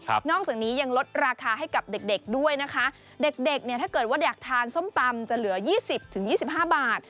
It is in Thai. นอกจากนี้ยังลดราคาให้กับเด็กเด็กด้วยนะคะเด็กเด็กเนี่ยถ้าเกิดว่าอยากทานส้มตำจะเหลือยี่สิบถึงยี่สิบห้าบาท